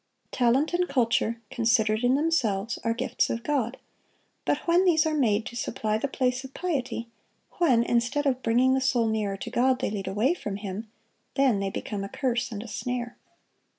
Talent and culture, considered in themselves, are gifts of God; but when these are made to supply the place of piety, when, instead of bringing the soul nearer to God, they lead away from Him, then they become a curse and a snare.